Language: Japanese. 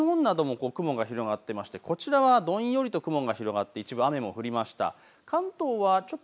西日本なども雲が広がっていまして、こちらはどんよりと雲が広がって一部、雨も降りました。